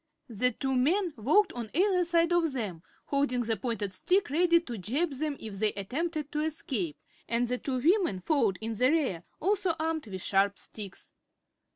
The two men walked on either side of them, holding the pointed sticks ready to jab them if they attempted to escape, and the two women followed in the rear, also armed with sharp sticks.